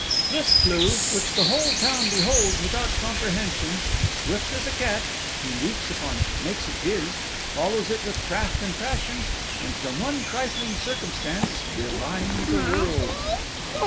This clue, which the whole town beholds without comprehension, swift as a cat, he leaps upon it, makes it his, follows it with craft and passion, and from one trifling circumstance divines a world.